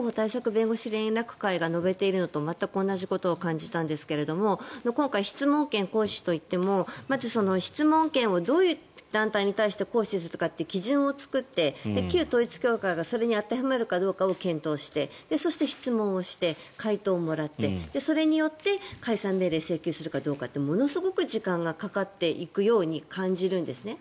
弁護士連絡会が述べているのと全く同じことを感じたんですが今回、質問権を行使といってもまず質問権をどういう団体に行使するかという基準を作って旧統一教会がそれに当てはまるかどうかを検討して、そして質問をして回答をもらって、それによって解散命令を請求するかどうかってものすごく時間がかかっていくように感じるんですね。